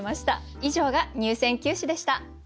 以上が入選九首でした。